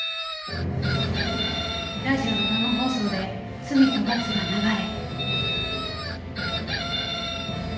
ラジオの生放送で『罪と罰』が流れ。